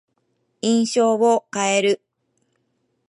印象を変える。